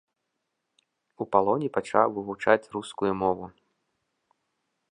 У палоне пачаў вывучаць рускую мову.